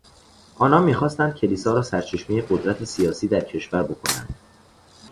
آنان میخواستند کلیسا را سرچشمهی قدرت سیاسی در کشور بکنند.